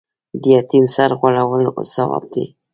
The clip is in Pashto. د یتیم سر غوړول ثواب دی